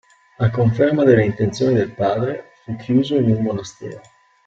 A conferma delle intenzioni del padre, fu chiuso in un monastero.